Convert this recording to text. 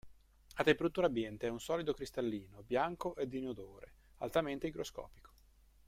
A temperatura ambiente è un solido cristallino bianco ed inodore, altamente igroscopico.